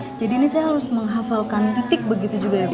jadi ini saya harus menghafalkan titik begitu juga ya pak